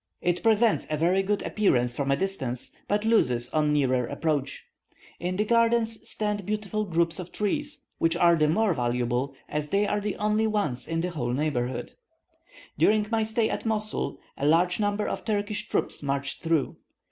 It presents a very good appearance from a distance, but loses on nearer approach. In the gardens stand beautiful groups of trees, which are the more valuable as they are the only ones in the whole neighbourhood. During my stay at Mosul, a large number of Turkish troops marched through.